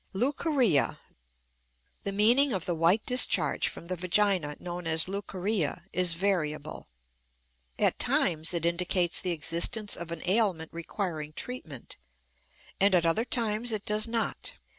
LEUCORRHEA. The meaning of the white discharge from the vagina known as leucorrhea is variable: at times it indicates the existence of an ailment requiring treatment, and at other times it does not.